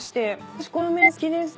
私この麺好きです。